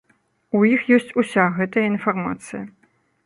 У іх ёсць уся гэтая інфармацыя.